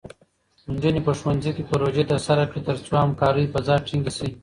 نجونې په ښوونځي کې پروژې ترسره کړي، ترڅو همکارۍ فضا ټینګې شي.